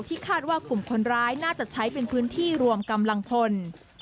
คาดว่ากลุ่มคนร้ายน่าจะใช้เป็นพื้นที่รวมกำลังพล